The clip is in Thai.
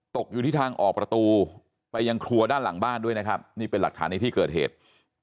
ตกอยู่ที่ทางออกประตูไปยังครัวด้านหลังบ้านด้วยนะครับนี่เป็นหลักฐานในที่เกิดเหตุ